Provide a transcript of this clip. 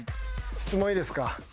質問いいですか？